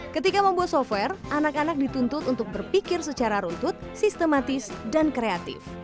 ketika membuat software anak anak dituntut untuk berpikir secara runtut sistematis dan kreatif